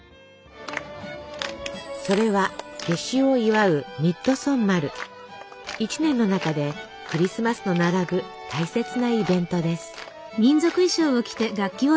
それは夏至を祝う１年の中でクリスマスと並ぶ大切なイベントです。